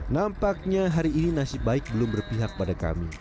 nampaknya hari ini nasib baik belum berpihak pada kami